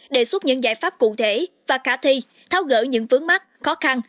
đề xuất những giải pháp cụ thể và khả thi tháo gỡ những vướng mắt khó khăn